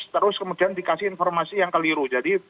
terus terus dikasih informasi yang keliru